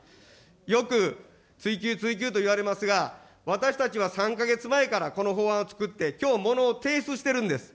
よく追及、追及といわれますが、私たちは３か月前からこの法案を作って、きょうものを提出しているんです。